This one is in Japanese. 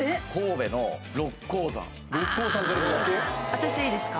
私いいですか？